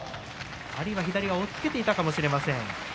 左を押っつけていたかもしれません。